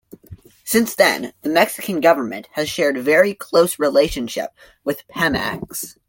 Since then, the Mexican government has shared very close relationship with Pemex.